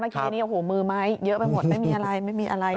เมื่อกี้นี่โอ้โฮมือไหมเยอะไปหมดไม่มีอะไร